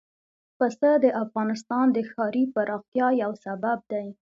پسه د افغانستان د ښاري پراختیا یو سبب دی.